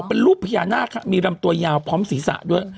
เป็นรูปพญานาคมีลำตัวยาวพร้อมศีรษะด้วย